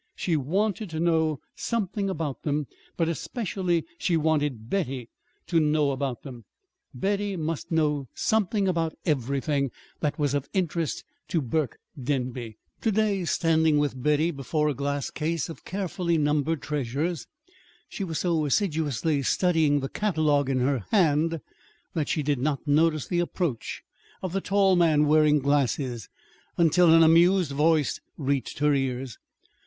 She wanted to know something about them; but especially she wanted Betty to know about them. Betty must know something about everything that was of interest to Burke Denby. To day, standing with Betty before a glass case of carefully numbered treasures, she was so assiduously studying the catalogue in her hand that she did not notice the approach of the tall man wearing glasses, until an amused voice reached her ears.